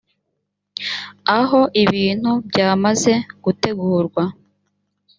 aho ibintu byamaze gutegurwa